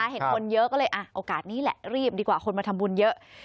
เห็นคนเยอะก็เลยโอกาสนี้แหละรีบดีกว่าคนมาทำบุญเยอะ